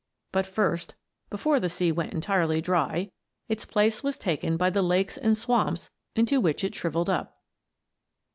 But first, before the sea went entirely dry, its place was taken by the lakes and swamps into which it shrivelled up.